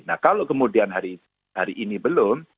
nah kalau kemudian hari ini belum